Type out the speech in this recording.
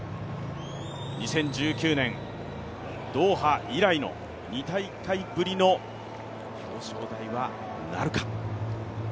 ２０１９年、ドーハ以来の２大会ぶりの表彰台はなるか。